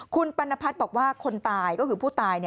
คุณปัณพัฒน์บอกว่าคนตายก็คือผู้ตาย